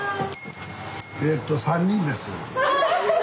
えと３人です。